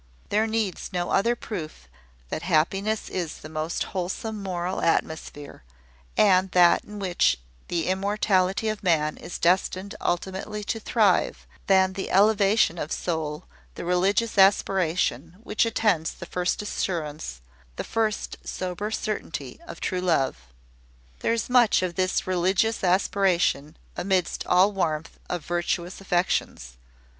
There needs no other proof that happiness is the most wholesome moral atmosphere, and that in which the immortality of man is destined ultimately to thrive, than the elevation of soul, the religious aspiration, which attends the first assurance, the first sober certainty, of true love. There is much of this religious aspiration amidst all warmth of virtuous affections.